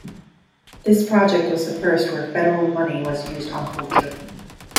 This project was the first where Federal money was used on culture.